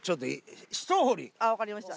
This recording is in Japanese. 分かりました。